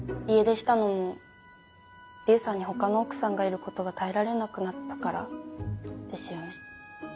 家出したのも龍さんにほかの奥さんがいることが耐えられなくなったからですよね？